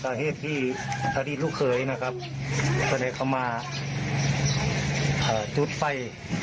เถอะสาเหตุที่ถ้าได้ลูกเผยนะครับก็ได้เข้ามาจุดไฟ